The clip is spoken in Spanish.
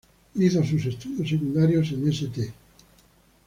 Hizo sus estudios secundarios en St.